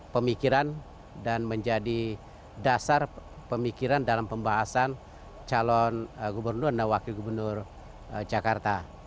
pemikiran dan menjadi dasar pemikiran dalam pembahasan calon gubernur dan wakil gubernur jakarta